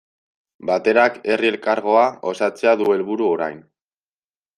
Baterak Herri Elkargoa osatzea du helburu orain.